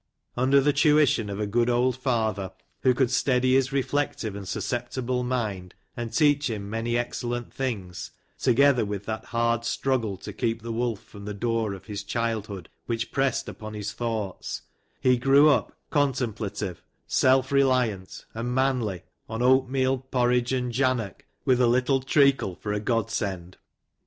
Under the tuition of a good old father, who could steady his reflective and susceptible mind and teach him many excellent things, together with that hard struggle to keep the wolf from the door of his childhood which pressed upon his thoughts, he grew up contemplative, self reliant, and manly, on oatmeal porridge and jannock, with a little treacle for a God send.